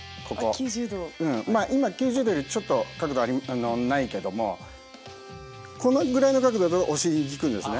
まあ今９０度よりちょっと角度ないけどもこのぐらいの角度だとお尻に効くんですね。